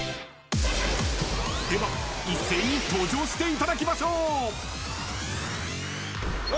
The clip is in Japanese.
［では一斉に登場していただきましょう］